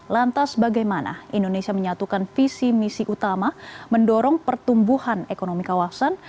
lantas bagaimana indonesia menyatukan visi misi utama mendorong pertumbuhan ekonomi kawasan